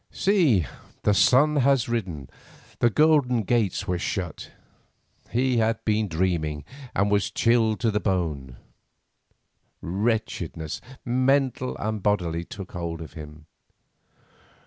See, the sun had risen, the golden gates were shut. He had been dreaming, and was chilled to the bone. Wretchedness, mental and bodily, took hold of him.